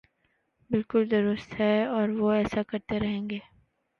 بالکل درست ہے اور وہ ایسا کرتے رہیں گے۔